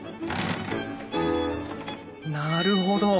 なるほど。